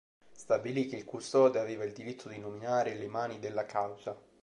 Stabilì che il Custode aveva il diritto di nominare le Mani della Causa.